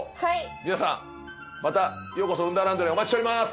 皆さんまた『ようこそ運ダーランド』でお待ちしております。